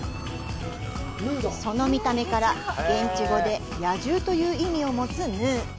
その見た目から現地語で「野獣」という意味をもつ、ヌー。